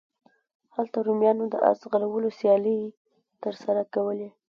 هلته رومیانو د اس ځغلولو سیالۍ ترسره کولې.